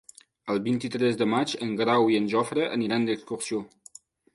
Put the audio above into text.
El vint-i-tres de maig en Grau i en Jofre aniran d'excursió.